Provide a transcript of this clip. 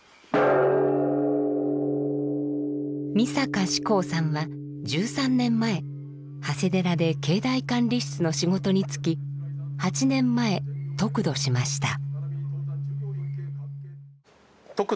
美坂至光さんは１３年前長谷寺で境内管理室の仕事に就き８年前得度しました。